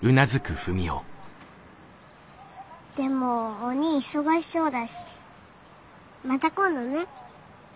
でもおにぃ忙しそうだしまた今度ね。